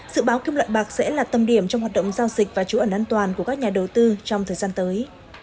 dự báo kim loại bạc sẽ là tâm điểm trong hoạt động giao dịch và trú ẩn an toàn của các nhà đầu tư trong thời gian tới